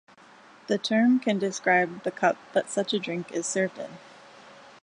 The term can describe the cup that such a drink is served in.